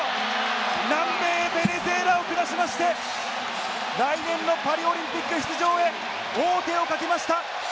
南米ベネズエラを下しまして、来年のパリオリンピック出場へ王手をかけました。